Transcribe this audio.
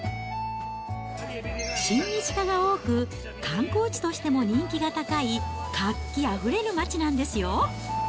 親日家が多く、観光地としても人気が高い活気あふれる街なんですよ。